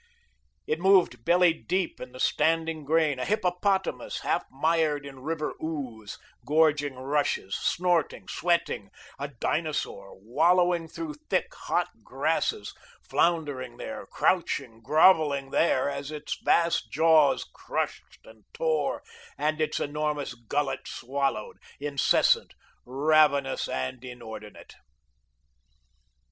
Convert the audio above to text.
It moved belly deep in the standing grain, a hippopotamus, half mired in river ooze, gorging rushes, snorting, sweating; a dinosaur wallowing through thick, hot grasses, floundering there, crouching, grovelling there as its vast jaws crushed and tore, and its enormous gullet swallowed, incessant, ravenous, and inordinate.